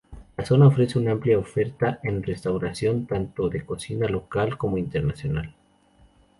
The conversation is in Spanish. La zona ofrece una amplia oferta en restauración, tanto de cocina local como internacional.